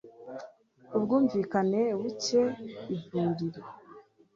ubwumvikane bubenk, ivuliro